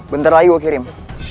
bentar lagi gue kirim